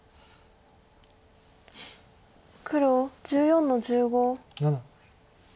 黒１４の十五。